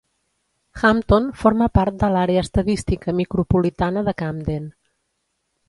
Hampton forma part de l'Àrea Estadística Micropolitana de Camden.